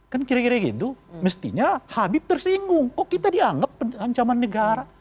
kan kira kira gitu mestinya habib tersinggung oh kita dianggap ancaman negara